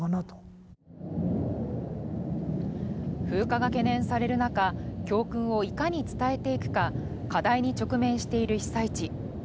風化が懸念される中教訓をいかに伝えていくか課題に直面している被災地。